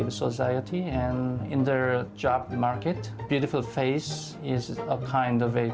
dan di pasar pekerjaan mereka wajah yang indah adalah jenis senjata yang bagus